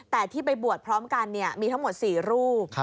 แต่ที่ไปบวชพร้อมกันมีทั้งหมด๔รูป